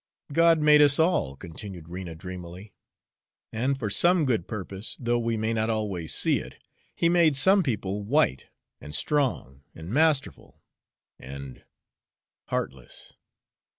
'" "God made us all," continued Rena dreamily, "and for some good purpose, though we may not always see it. He made some people white, and strong, and masterful, and heartless.